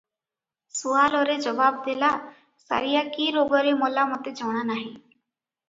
ସୁଆଲରେ ଜବାବ ଦେଲା ସାରିଆ କି ରୋଗରେ ମଲା ମୋତେ ଜଣାନାହିଁ ।